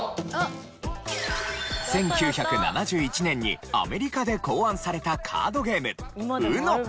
１９７１年にアメリカで考案されたカードゲームＵＮＯ。